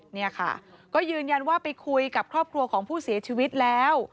เนี่ยค่ะก็ยืนยันว่าไปคุยกับครอบครัวของผู้เสียชีวิตแล้ว